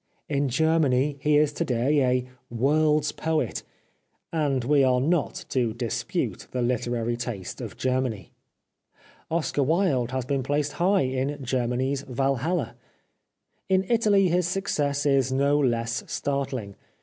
In Germ^any he is to day a "World's Poet," and "Salome" is a " World's Play." And we are not to dispute the literary taste of Germany. Oscar Wilde has been placed high in Germany's Walhalla. In Italy his success is no less startling.